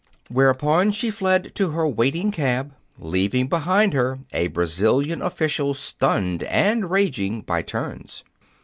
Whereupon she fled to her waiting cab, leaving behind her a Brazilian official stunned and raging by turns.